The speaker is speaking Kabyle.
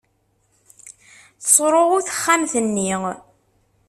Tesruɣu texxamt-nni.